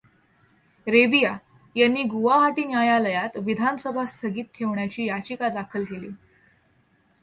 रेबिया यांनी गुवाहाटी न्यायालयात विधानसभा स्थगित ठेवण्याची याचिका दाखल केली.